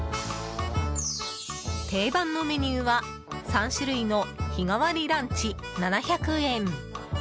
定番のメニューは３種類の日替わりランチ７００円。